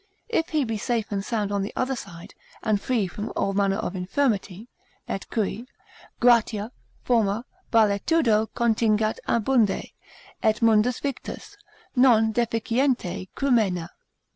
If he be safe and sound on the other side, and free from all manner of infirmity; et cui Gratia, forma, valetudo contingat abunde Et mundus victus, non deficiente crumena.